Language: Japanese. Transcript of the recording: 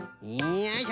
よいしょ。